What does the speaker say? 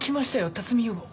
辰巳勇吾。